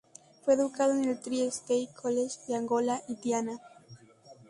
Fue educado en el Tri-State College en Angola, Indiana.